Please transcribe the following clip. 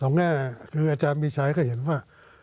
แง่คืออาจารย์มีชัยก็เห็นว่า